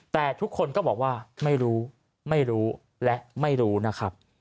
แต่ทุกคนก็บอกว่าไม่รู้ไม่รู้และไม่รู้นะครับ